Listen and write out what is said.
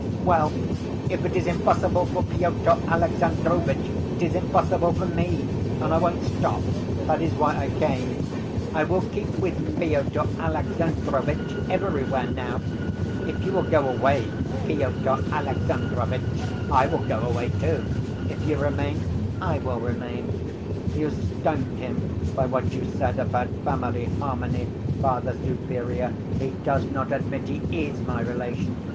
"Well, if it is impossible for Pyotr Alexandrovitch, it is impossible for me, and I won't stop. That is why I came. I will keep with Pyotr Alexandrovitch everywhere now. If you will go away, Pyotr Alexandrovitch, I will go away too, if you remain, I will remain. You stung him by what you said about family harmony, Father Superior, he does not admit he is my relation.